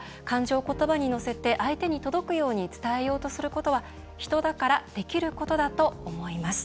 ただ、感情を言葉に乗せ相手に届くように伝えようとすることは人だからできることだと思います。